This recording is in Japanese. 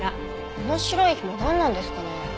この白いひもなんなんですかね？